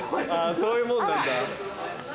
そういうもんなんだ。